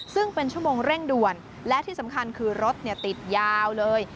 ซึ่งเป็นชั่วโมงเร่งด่วนและที่สำคัญคือรถติดยาวเลย